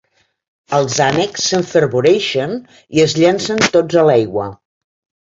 Els ànecs s'enfervoreixen i es llancen tots a l'aigua.